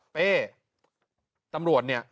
เป้ตำรวจเนี่ย